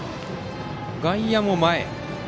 外野も前。